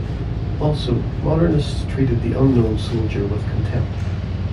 Also modernists treated "The Unknown Soldier" with contempt.